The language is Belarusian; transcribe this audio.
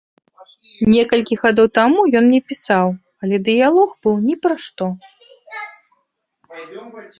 Некалькі гадоў таму ён мне пісаў, але дыялог быў ні пра што.